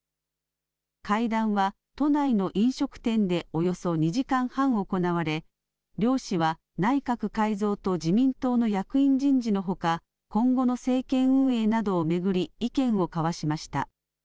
会談は都内の飲食店でおよそ２時間半行われ、両氏は内閣改造と自民党の役員人事のほか今後の政権運営などを巡り意見を交わしました。